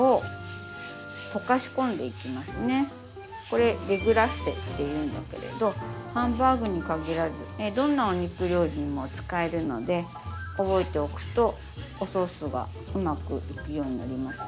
これデグラッセっていうんだけれどハンバーグに限らずどんなお肉料理にも使えるので覚えておくとおソースがうまくいくようになります。